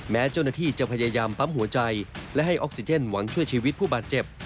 แม้เจ้าหน้าที่จะพยายามปั๊มหัวใจและให้ออกซิเจนหวังช่วยชีวิตผู้บาดเจ็บ